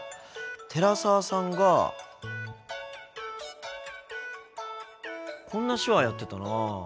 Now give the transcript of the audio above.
寺澤さんがこんな手話やってたな。